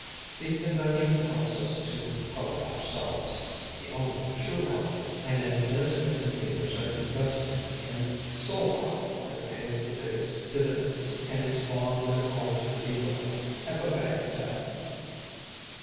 The convention helps us to help ourselves, the only true help, and in this the conveners are investing in soul power that pays the biggest dividends, and its bonds are always redeemable at the Bank of Heaven.